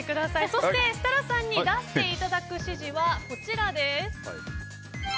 そして、設楽さんに出していただく指示はこちらです。